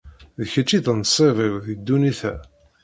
D kečč i d nnṣib-iw di ddunit-a.